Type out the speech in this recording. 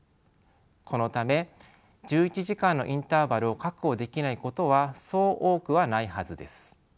このため１１時間のインターバルを確保できないことはそう多くはないはずです。